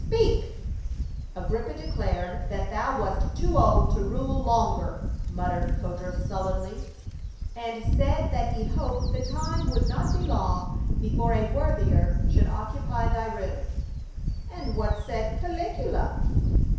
Speak !" "Agrippa declared that thou wast too old to rule longer," muttered Codrus sullenly, " and said that he hoped the time would not be long before a worthier should occupy thy room." "And what said Caligula?"